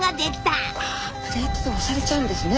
プレートで押されちゃうんですね